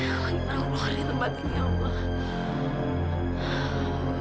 aku harus keluar dari tempat ini ya allah